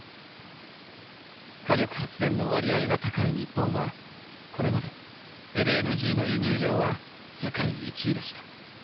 火力発電の割合が高い日本はこれまでＬＮＧの輸入量は世界１位でした。